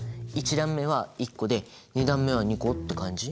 １段目は１個で２段目は２個って感じ？